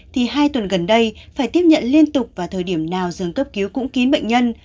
thì hai tuần gần đây phải tiếp nhận liên tục vào thời điểm nào dường cấp cứu cũng kín bệnh nhân